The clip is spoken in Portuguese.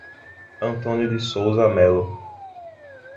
Antônio de Souza Melo